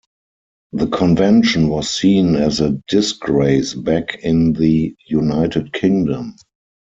The Convention was seen as a disgrace back in the United Kingdom.